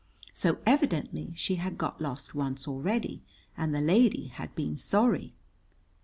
So evidently she had got lost once already, and the lady had been sorry.